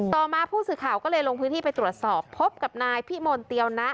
ต่อมาผู้สื่อข่าวก็เลยลงพื้นที่ไปตรวจสอบพบกับนายพิมลเตียวนะ